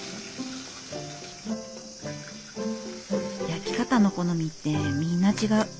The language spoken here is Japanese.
焼き方の好みってみんな違う。